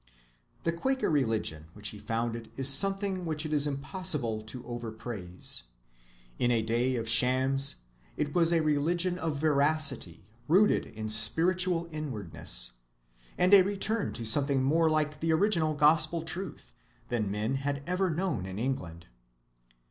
The Quaker religion which he founded is something which it is impossible to overpraise. In a day of shams, it was a religion of veracity rooted in spiritual inwardness, and a return to something more like the original gospel truth than men had ever known in England.